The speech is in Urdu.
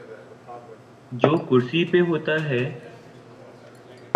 جو کرسی پہ ہوتا ہے۔